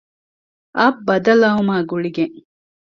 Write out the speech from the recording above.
އަށް ބަދަލުއައުމާ ގުޅިގެން